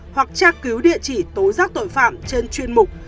hoặc tra cứu địa chỉ tố giác tội phạm trên chuyên mục